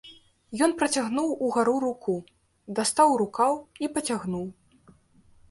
Ён працягнуў угару руку, дастаў рукаў і пацягнуў.